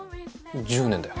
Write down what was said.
１０年だよ。